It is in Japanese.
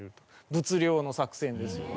物量の作戦ですよね。